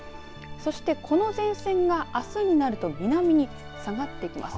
そしてこの前線が、あすになると南に下がってきます。